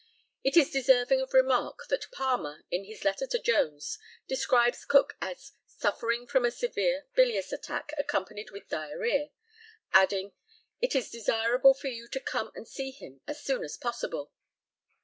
It is deserving of remark that Palmer, in his letter to Jones, describes Cook as "suffering from a severe bilious attack accompanied with diarrhœa," adding, "it is desirable for you to come and see him as soon as possible."